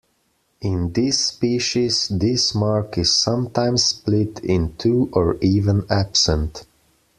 In this species this mark is sometimes split in two or even absent.